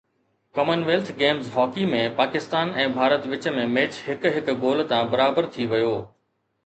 ڪمن wealth games hockey ۾ Pakistan ۽ Bharat وچ ۾ match هڪ هڪ گول تان برابر ٿي ويو